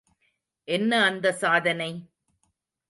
என்ன அந்த சாதனை?